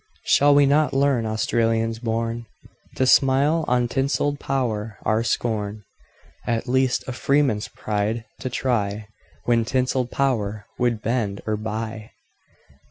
Shall we not learn, Australians born! To smile on tinselled power our scorn,—At least, a freeman's pride to try, When tinselled power would bend or buy?